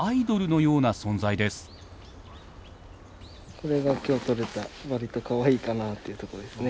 これが今日撮れた割とかわいいかなっていうところですね。